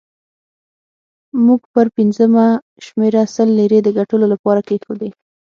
موږ پر پنځمه شمېره سلو لیرې د ګټلو لپاره کېښودې.